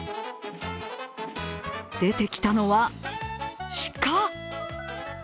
出てきたのは、鹿。